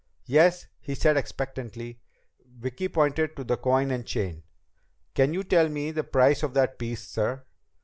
"Yes?" he said expectantly. Vicki pointed to the coin and chain. "Can you tell me the price of that piece, sir?"